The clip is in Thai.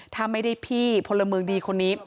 ถ้าไม่ได้พี่พลเมืองดีคนนี้